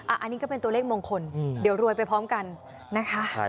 อันนี้ก็เป็นตัวเลขมงคลเดี๋ยวรวยไปพร้อมกันนะคะ